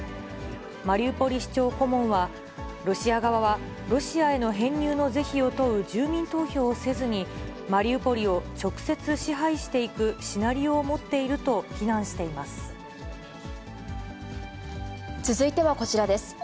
マリウポリ市長顧問は、ロシア側はロシアへの編入の是非を問う住民投票をせずに、マリウポリを直接支配していくシナリオを持っていると非難してい続いてはこちらです。